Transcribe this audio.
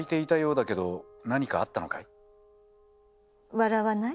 笑わない？